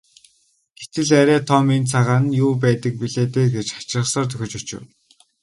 Гэтэл арай том энэ цагаан нь юу байдаг билээ дээ гэж хачирхсаар дөхөж очив.